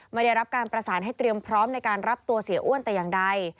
ไม่ได้รับการประสานให้เตรียมพร้อมในการรับตัวเสียอ้วนแต่อย่างใด